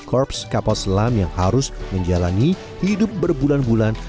korps kapal selam yang harus menjalani hidup berbulan bulan